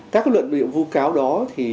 các luận biện vô cáo đó